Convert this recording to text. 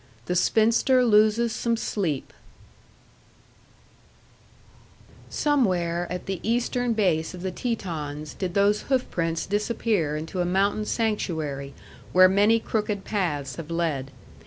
THE SPINSTER LOSES SOME SLEEP Somewhere at the eastern base of the Tetons did those hoofprints disappear into a mountain sanctuary where many crooked paths have led.